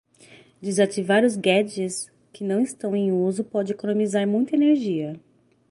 Desativar os gadgets que não estão em uso pode economizar muita energia.